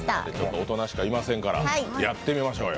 大人しかいませんからやってみましょうよ。